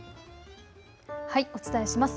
お伝えします。